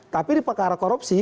tapi di perkara korupsi